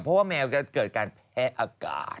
เพราะว่าแมวจะเกิดการแออากาศ